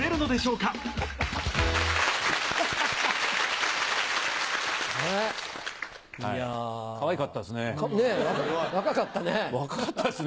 かわいかったですね。